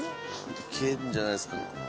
いけるんじゃないですか。